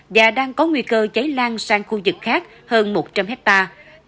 và đang có nguy cơ cháy lan sang khu vực khác hơn một trăm linh hectare